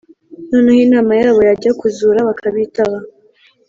noneho inama yabo yajya kuzura bakabitaba